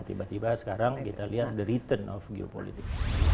tiba tiba sekarang kita lihat the return of geopolitik